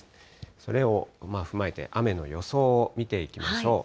それを踏まえて、雨の予想を見ていきましょう。